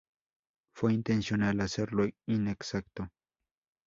Fue intencional hacerlo inexacto.